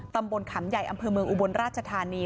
ตำบลขำใหญ่อำเภอเมืองอุบลราชธานี